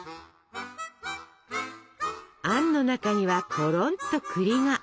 あんの中にはころんと栗が。